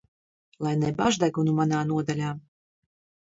Lai nebāž degunu manā nodaļā.